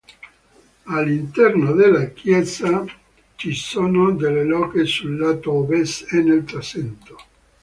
All'interno della chiesa ci sono delle logge sul lato ovest e nel transetto.